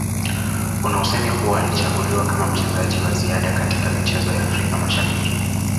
Kuna usemi kuwa alichaguliwa kama mchezaji wa ziada kaitka michezo ya Afrika Mashariki